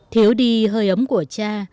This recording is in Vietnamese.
thiếu đi hơi ấm của cha